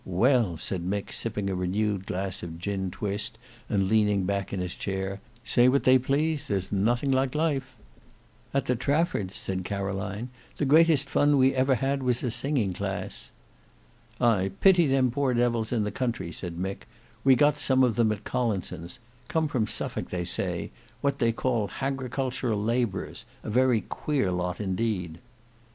"Well," said Mick, sipping a renewed glass of gin twist and leaning back in his chair, "say what they please, there's nothing like life." "At the Traffords'," said Caroline, "the greatest fun we ever had was a singing class." "I pity them poor devils in the country," said Mick; "we got some of them at Collinson's—come from Suffolk they say; what they call hagricultural labourers, a very queer lot, indeed."